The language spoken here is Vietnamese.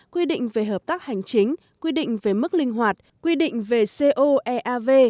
quy định về hợp tác hành chính quy định về mức linh hoạt quy định về coeav